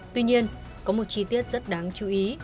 tuy nhiên có một chi tiết rất đáng chú ý